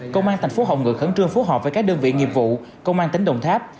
công an tp hcm khẩn trương phó hợp với các đơn vị nghiệp vụ công an tỉnh đồng tháp